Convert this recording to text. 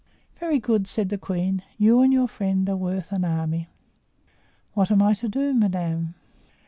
"Very good," said the queen; "you and your friend are worth an army." "What am I to do, madame?"